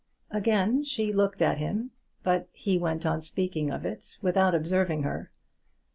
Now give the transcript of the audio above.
Again she looked at him, but he went on speaking of it without observing her.